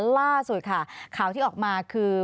ล่าสุดค่ะข่าวที่ออกมาคือ